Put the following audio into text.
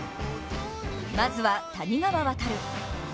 まずは谷川航。